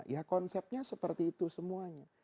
ya konsepnya seperti itu semuanya